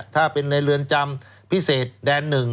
ถ้าเป็นในเรือนจำพิเศษแดน๑